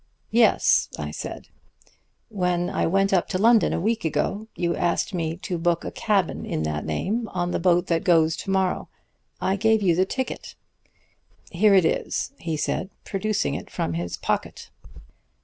'Yes,' I said, 'when I went up to London a week ago you asked me to book a cabin in that name on the boat that goes to morrow. I gave you the ticket.' 'Here it is,' he said, producing it from his pocket.